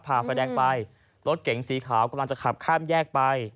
ผ่าไฟแดงไปรถเก๋งสีขาวกำลังจะขับข้ามแยกไป